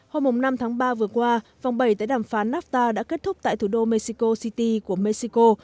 hôm năm tháng ba vừa qua vòng bảy tới đàm phán nafta đã kết thúc tại thủ đô mexico city của mexico